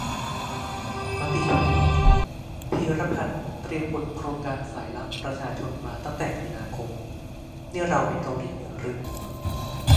มติชน :"พีระพันธุ์เตรียมผุดโครงการสายลับประชาชนมาตั้งแต่มีนาคม" นี่เราเป็นเกาหลีเหนือรึ ?